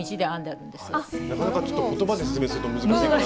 なかなかちょっと言葉で説明すると難しい。